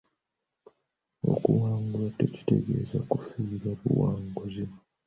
Okuwangulwa tekitegeeza kufiirwa buwanguzi.